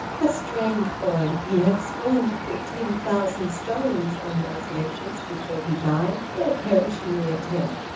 A strange boy, he had sworn to put ten thousand stones on those ledges before he died, or perish in the attempt.